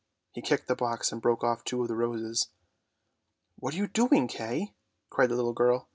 He kicked the box and broke off two of the roses. " What are you doing, Kay? " cried the little girl.